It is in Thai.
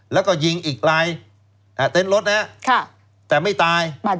แล้วก็ยิงอีกลายเต็นต์รถนะฮะแต่ไม่ตาย